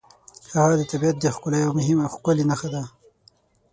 هغه د طبیعت د ښکلا یوه ښکلې نښه ده.